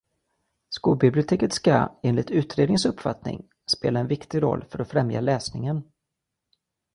Skolbiblioteket ska, enligt utredningens uppfattning, spela en viktig roll för att främja läsningen.